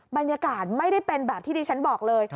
บรรยากาศไม่ได้เป็นแบบที่ดิฉันบอกเลย